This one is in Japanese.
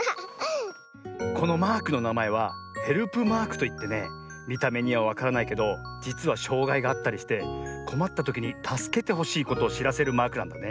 このマークのなまえはヘルプマークといってねみためにはわからないけどじつはしょうがいがあったりしてこまったときにたすけてほしいことをしらせるマークなんだね。